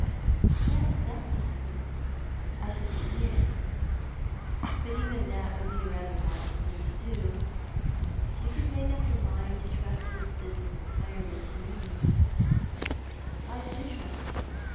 "Yes, that would do; I should be near." "But even that would be rather a wild thing to do— and if you could make up your mind to trust this business entirely to me "" I do trust you.